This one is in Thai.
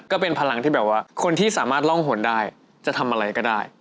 ก็เป็นพลังที่แบบว่าคนที่สามารถร่องหนได้จะทำอะไรก็ได้